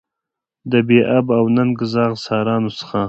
د بې آب او ننګ زاغ سارانو څخه.